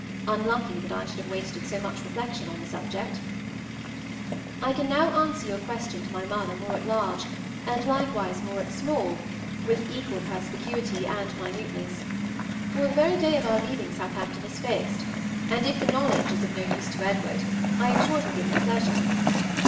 Unlucky that I should have wasted so much reflection on the subject. I can now answer your question to my mother more at large, and likewise more at small with equal perspicuity and minuteness; for the very day of our leaving Southampton is fixed; and if the knowledge is of no use to Edward, I am sure it will give him pleasure.